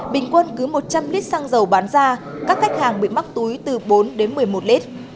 bình quân cứ một trăm linh lít xăng dầu bán ra các khách hàng bị mắc túi từ bốn đến một mươi một lít